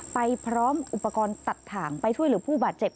ไปพร้อมอุปกรณ์ตัดถ่างไปช่วยเหลือผู้บาดเจ็บ